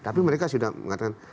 tapi mereka sudah mengatakan